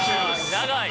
［長い］